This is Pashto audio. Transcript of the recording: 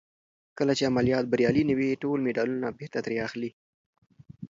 کله چې عملیات بریالي نه وي ټول مډالونه بېرته ترې اخلي.